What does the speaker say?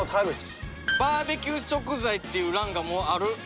「バーベキュー食材」っていう欄がもうある。